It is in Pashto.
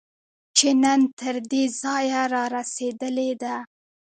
چې نن تر دې ځایه رارسېدلې ده